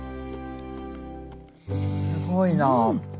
すごいな。